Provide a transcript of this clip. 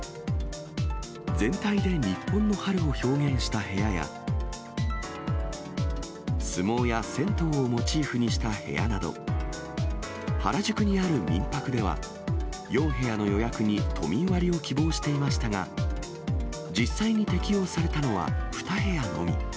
全体で日本の春を表現した部屋や、相撲や銭湯をモチーフにした部屋など、原宿にある民泊では、４部屋の予約に都民割を希望していましたが、実際に適用されたのは２部屋のみ。